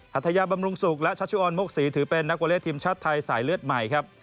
ัทยาบำรุงสุขและชัชชุออนมกศรีถือเป็นนักวอเลสทีมชาติไทยสายเลือดใหม่ครับ